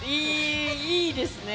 いいですね。